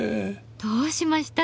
どうしました？